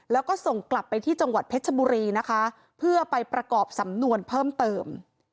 แล้วก็ส่งกลับไปที่จังหวัดเพชรบุรีนะคะเพื่อไปประกอบสำนวนเพิ่มเติม